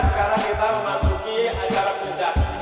sekarang kita memasuki acara puncak